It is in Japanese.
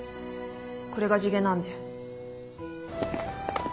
これが地毛なんで。